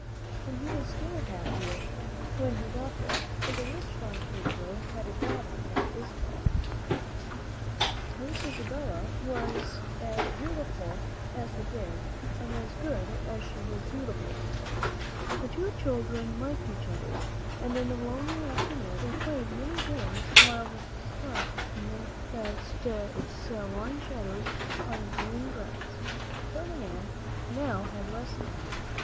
And he was still happier when he got there; for the rich Don Pedro had a daughter named Isabella. This Isabella was as beautiful as the day and as good as she SP ■■■ V',:::^ i'AH ■■1 was beautiful. The two children liked each other, and in the lonely afternoons they played many games while the sun cast its long shadows on the green grass. Ferdinand now had lessons.